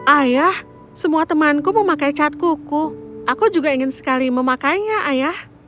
ayah semua temanku memakai cat kuku aku juga ingin sekali memakainya ayah